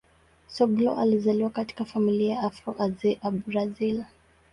Soglo alizaliwa katika familia ya Afro-Brazil.